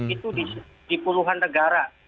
itu di puluhan negara